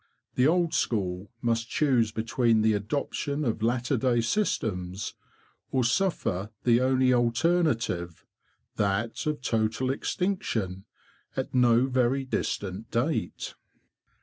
The old school must choose between the adoption of latter day systems, or suffer the only alternative—that of total extinction at no very distant date.